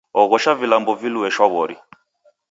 Oghosha vilambo vilue shwaw'ori